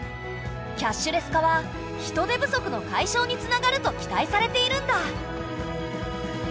キャッシュレス化は人手不足の解消につながると期待されているんだ。